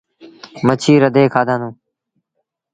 مڇيٚ رڌي کآدآنڌون۔